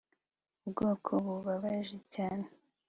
ubwoko bubabaje cyane